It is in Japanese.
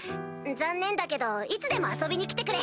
残念だけどいつでも遊びに来てくれ！